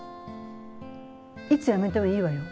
いつ辞めてもいいわよ。